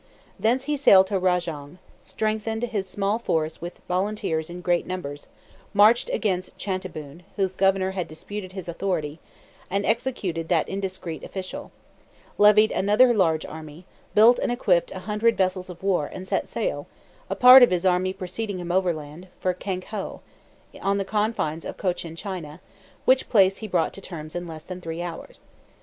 Thence he sailed to Rajong, strengthened his small force with volunteers in great numbers, marched against Chantaboon, whose governor had disputed his authority, and executed that indiscreet official; levied another large army; built and equipped a hundred vessels of war; and set sail a part of his army preceding him overland for Kankhoa, on the confines of Cochin China, which place he brought to terms in less than three hours.